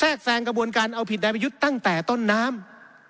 แทรกแซงกระบวนการเอาผิดและไปยึดตั้งแต่ต้นน้ำ